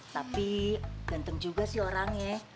tapi ganteng juga sih orangnya